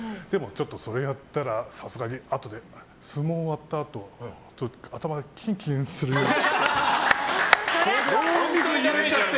それやったら、さすがにあとで相撲が終わったあと頭がキンキンするようになって。